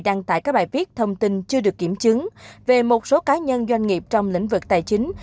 đăng tải các bài viết thông tin chưa được kiểm chứng về một số cá nhân doanh nghiệp trong lĩnh vực tài chính